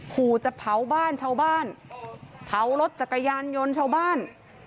ขู่จะเผาบ้านชาวบ้านเผารถจักรยานยนต์ชาวบ้าน